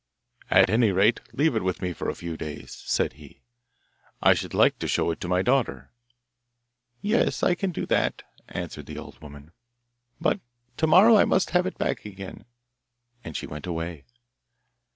'At any rate, leave it with me for a few days,' said he; 'I should like to show it to my daughter.' 'Yes, I can do that,' answered the old woman; 'but to morrow I must have it back again. And she went away.